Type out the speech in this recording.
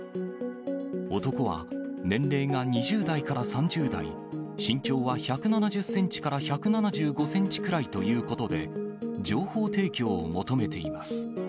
男は年齢が２０代から３０代、身長は１７０センチから１７５センチくらいということで、情報提供を求めています。